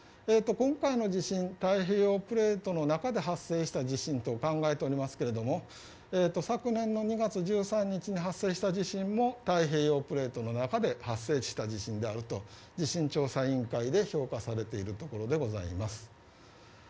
今回の地震、太平洋プレートの中で発生した地震と考えておりますけども、昨年の２月１３日に発生した地震も太平洋プレートの中で発生した地震であると地震調査委員会で評価されているところでございます。